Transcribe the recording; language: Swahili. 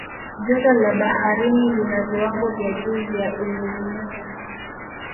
joto la baharini lina viwango vya juu vya unyevunyevu